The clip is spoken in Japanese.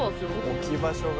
置き場所が。